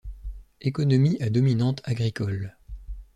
Économie à dominante agricole.